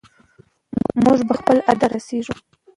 موږ به خپل هدف ته رسیږو.